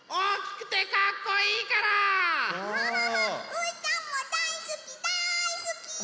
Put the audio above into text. うーたんもだいすきだいすき！